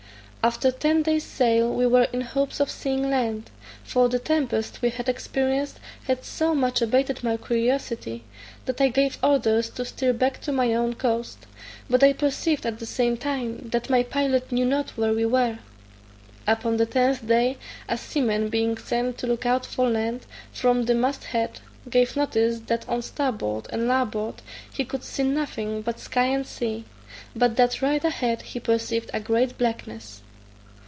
After ten days' sail we were in hopes of seeing land, for the tempests we had experienced had so much abated my curiosity, that I gave orders to steer back to my own coast; but I perceived at the same time that my pilot knew not where we were. Upon the tenth day, a seaman being sent to look out for land from the mast head, gave notice that on starboard and larboard he could see nothing but sky and sea, but that right a head he perceived a great blackness.